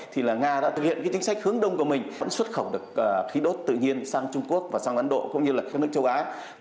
thì là nga đã thực hiện cái chính sách hướng đông của mình vẫn xuất khẩu được khí đốt tự nhiên sang trung quốc và sang ấn độ cũng như là các nước châu á